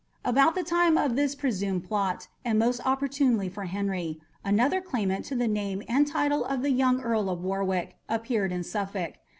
About the time of this presumed plot, and most opportunely for Henry, another claimant to the name and title of the young Earl of Warwick appeared in Suffolk.